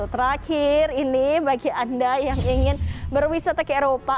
terakhir ini bagi anda yang ingin berwisata ke eropa